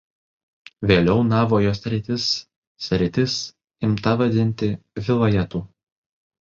Vėliau Navojo sritis sritis imta vadinti "vilajetu".